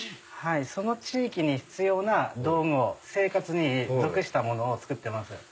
その地域に必要な道具を生活に属したものを作ってます。